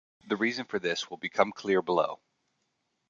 The reason for this will become clear below.